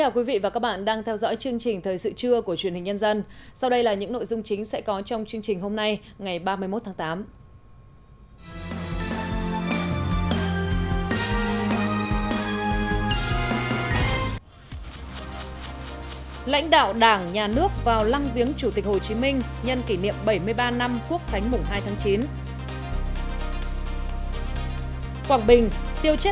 các bạn hãy đăng ký kênh để ủng hộ kênh của chúng mình nhé